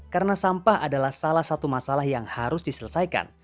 karena sampah adalah salah satu masalah yang harus diselesaikan